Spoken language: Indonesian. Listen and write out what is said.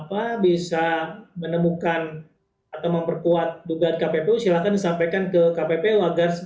apa bisa menemukan atau memperkuat dugaan kppu silahkan disampaikan ke kppu agar